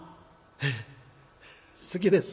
「ええ好きです」。